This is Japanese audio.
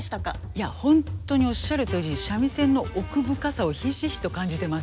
いやホントにおっしゃるとおり三味線の奥深さをひしひしと感じてます。